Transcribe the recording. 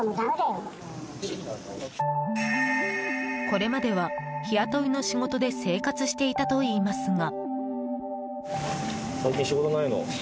これまでは、日雇いの仕事で生活していたといいますが。